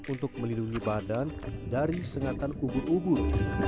hanya untuk melindungi badan dari sengatan kubur kubur